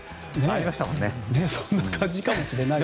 そんな感じかもしれないです。